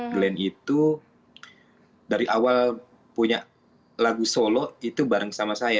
glenn itu dari awal punya lagu solo itu bareng sama saya